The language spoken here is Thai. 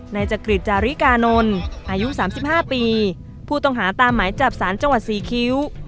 ในจักริตจาริกานนท์อายุสามสิบห้าปีผู้ต้องหาตามหมายจับสารจังหวัดสี่คิ้ว